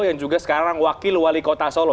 yang juga sekarang wakil wali kota solo